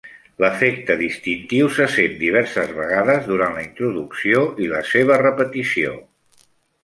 L'efecte distintiu se sent diverses vegades durant la introducció i la seva repetició.